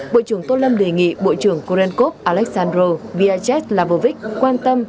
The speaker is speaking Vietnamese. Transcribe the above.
bộ trưởng tô lâm đề nghị bộ trưởng korenkov aleksandrov vyacheslavovic quan tâm